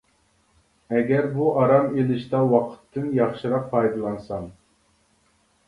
ئەگەر بۇ ئارام ئېلىشتا ۋاقىتتىن ياخشىراق پايدىلانسام.